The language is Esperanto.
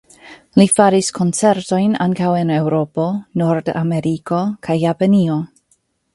Li faris koncertojn ankaŭ en Eŭropo, Nord-Ameriko kaj Japanio.